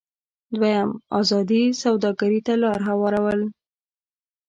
دویم: ازادې سوداګرۍ ته لار هوارول.